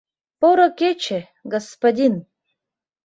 — Поро кече, господин!